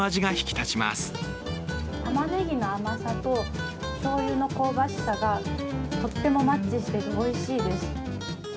たまねぎの甘さとしょうゆの香ばしさがとってもマッチしていておいしいです。